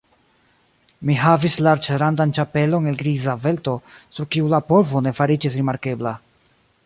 Mi havis larĝrandan ĉapelon el griza felto, sur kiu la polvo ne fariĝis rimarkebla.